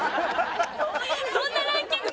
そんなランキング